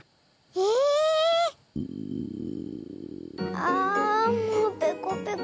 ああもうペコペコ。